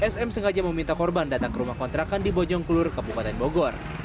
sm sengaja meminta korban datang ke rumah kontrakan di bojongkulur kabupaten bogor